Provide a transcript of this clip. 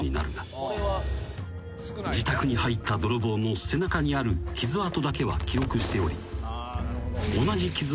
［自宅に入った泥棒の背中にある傷痕だけは記憶しており］